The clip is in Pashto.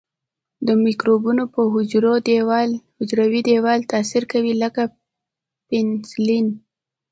د مکروبونو په حجروي دیوال تاثیر کوي لکه پنسلین.